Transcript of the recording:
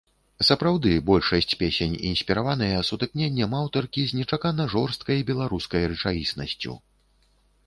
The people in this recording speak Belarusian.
Сапраўды, большасць песень інспіраваныя сутыкненнем аўтаркі з нечакана жорсткай беларускай рэчаіснасцю.